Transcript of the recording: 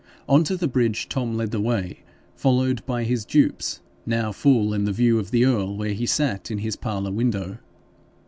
On to the bridge Tom led the way, followed by his dupes now full in the view of the earl where he sat in his parlour window.